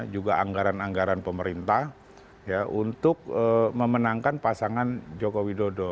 juga anggaran anggaran pemerintah untuk memenangkan pasangan joko widodo